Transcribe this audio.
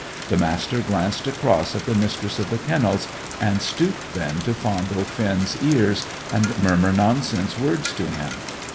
The Master glanced across at the Mistress of the Kennels, and stooped then to fondle Finn's ears, and murmur nonsense words to him.